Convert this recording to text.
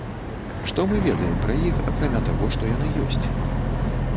Што мы ведаем пра іх акрамя таго, што яны ёсць?